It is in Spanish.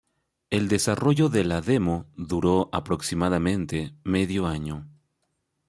El desarrollo de la demo duró aproximadamente medio año.